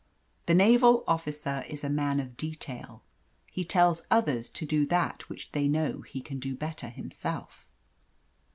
The naval officer is a man of detail he tells others to do that which they know he can do better himself.